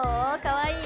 かわいい？